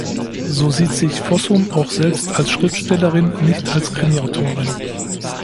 So sieht sich Fossum auch selbst als Schriftstellerin, nicht als Krimi-Autorin.